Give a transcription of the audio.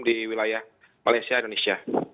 di wilayah malaysia indonesia